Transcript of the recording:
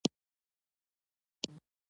او ذبیح الله منصوري دا کتاب څرنګه انتخاب کړی.